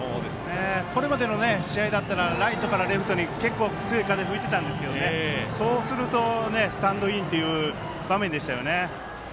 これまでの試合だったらライトからレフトに強い風が吹いていたんですけどそうすると、スタンドインという場面でしたよね。